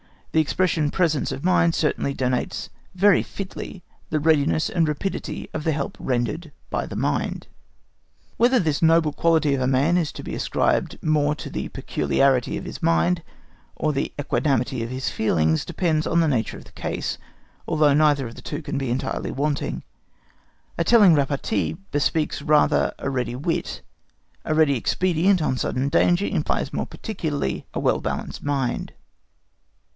The expression "presence of mind" certainly denotes very fitly the readiness and rapidity of the help rendered by the mind. Whether this noble quality of a man is to be ascribed more to the peculiarity of his mind or to the equanimity of his feelings, depends on the nature of the case, although neither of the two can be entirely wanting. A telling repartee bespeaks rather a ready wit, a ready expedient on sudden danger implies more particularly a well balanced mind.